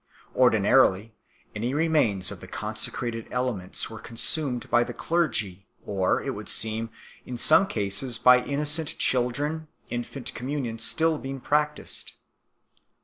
Ordinarily, any remains of the consecrated elements were consumed by the clergy, or, it would seem, in some cases by innocent children 7 , infant communion being still practised 8 .